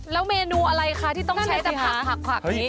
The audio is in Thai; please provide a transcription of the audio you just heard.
แล้วเมนูอะไรคะที่ต้องใช้แต่ผักผักนี้